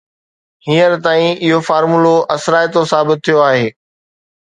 هينئر تائين اهو فارمولو اثرائتو ثابت ٿيو آهي